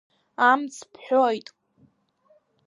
Амц бҳәоит.